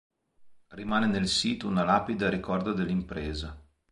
Rimane nel sito una lapide a ricordo dell'impresa.